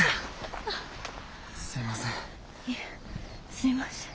すいません。